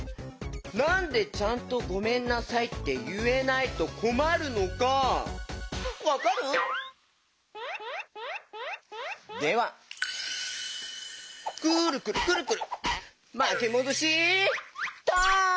なんでちゃんと「ごめんなさい」っていえないとこまるのかわかる？ではくるくるくるくるまきもどしタイム！